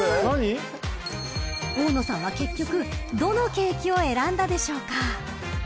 ［大野さんは結局どのケーキを選んだでしょうか？］